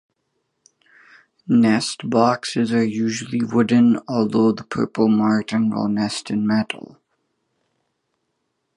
Nest boxes are usually wooden, although the purple martin will nest in metal.